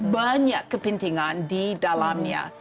banyak kepentingan di dalamnya